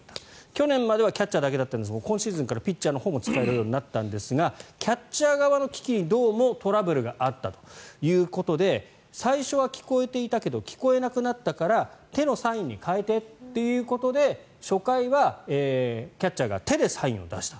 去年まではキャッチャーだけだったんですが今シーズンからはピッチャーのほうも使えるようになったんですがキャッチャー側の機器にどうもトラブルがあったということで最初は聞こえていたけど聞こえなくなったから手のサインに変えてということで初回はキャッチャーが手でサインを出した。